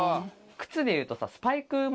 靴でいうとさ。